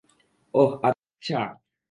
ওহ, আচ্ছা!